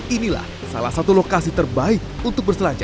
inilah salah satu lokasi terbaik untuk berselancar